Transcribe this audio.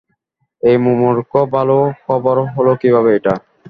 এই মূর্খ, ভালো খবর হলো কিভাবে এটা?